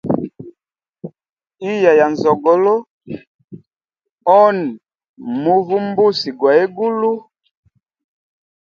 Iya na nzogolo, oni muvumbusi gwa egulu.